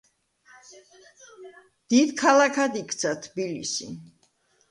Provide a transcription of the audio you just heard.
დიდ ქალაქად იქცა თბილისი.